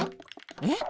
えっ？